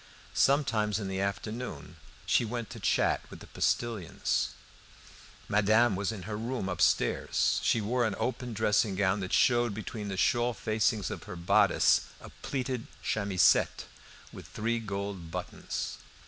Sometimes in the afternoon she went to chat with the postilions. Madame was in her room upstairs. She wore an open dressing gown that showed between the shawl facings of her bodice a pleated chamisette with three gold buttons.